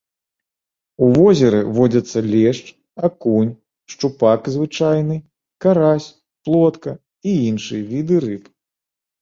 У возеры водзяцца лешч, акунь, шчупак звычайны, карась, плотка і іншыя віды рыб.